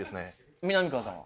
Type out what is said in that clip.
みなみかわさんは？